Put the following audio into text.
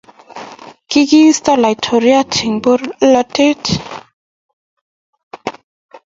kikiisto laitoriat eng polatet